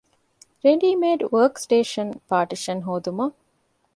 ރެޑީމޭޑް ވާރކް ސްޓޭޝަން ޕާޓިޝަން ހޯދުމަށް